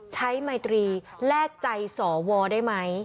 ใช้ไมธรีแรกใจสอวรได้ไหม